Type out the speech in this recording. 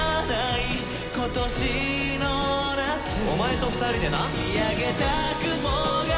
お前と二人でな。